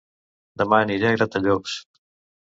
Dema aniré a Gratallops